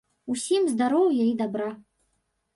Усім здароўя і дабра.